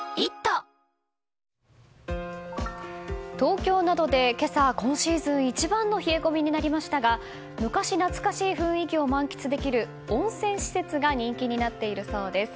東京などで今朝、今シーズン一番の冷え込みになりましたが昔懐かしい雰囲気を満喫できる温泉施設が人気になっているそうです。